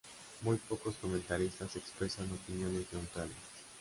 Muy pocos comentaristas expresan opiniones neutrales.